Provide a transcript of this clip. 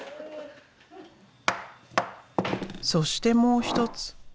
そしてもう一つ。